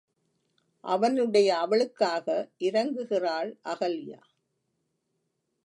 அவனுடைய அவளுக்காக இரங்குகிறாள் அகல்யா.